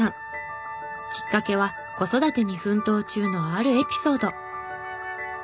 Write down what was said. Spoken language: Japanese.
きっかけは子育てに奮闘中のあるエピソード。